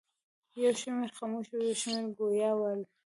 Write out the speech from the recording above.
یو شمېر خموش او یو شمېر ګویا ول.